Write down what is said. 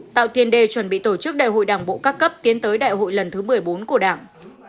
tạo tiền đề chuẩn bị tổ chức đại hội đảng bộ các cấp tiến tới đại hội lần thứ một mươi bốn của đảng